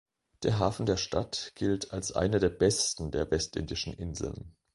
Der Hafen der Stadt gilt als einer der besten der Westindischen Inseln.